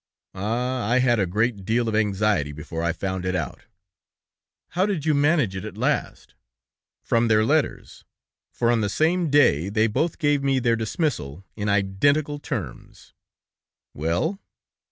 Ah! I had a great deal of anxiety before I found it out." "How did you manage it at last?" "From their letters, for on the same day they both gave me their dismissal in identical terms." "Well?"